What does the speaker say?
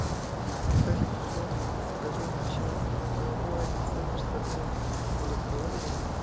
که داسې څوک لرې چې درته وايي, زه درسره یم. نو بختور یې.